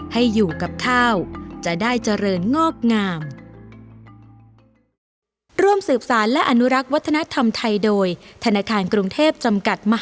ให้อยู่กับข้าวจะได้เจริญงอกงาม